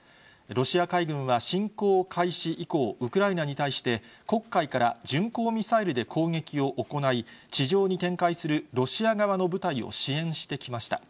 ロシア海軍は、侵攻開始以降、ウクライナに対して、黒海から巡航ミサイルで攻撃を行い、地上に展開するロシア側の部隊を支援してきました。